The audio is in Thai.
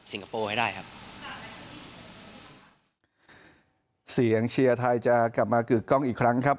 เสียงเชียร์ไทยจะกลับมากึกกล้องอีกครั้งครับ